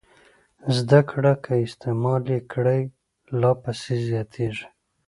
زده کړه که استعمال یې کړئ لا پسې زیاتېږي.